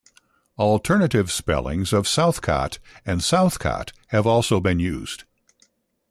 Alternative spellings of "Southcot" and "Southcott" have also been used.